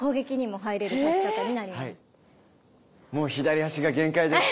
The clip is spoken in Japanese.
もう左足が限界です。